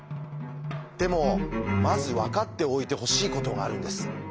でもまず分かっておいてほしいことがあるんです。